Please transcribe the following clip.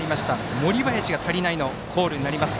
「森林が足りない」のコールになります。